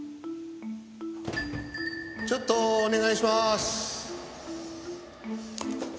ちょっとお願いします。